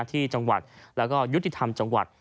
ที่จังหวัดแล้วก็ยุติธรรมจังหวัด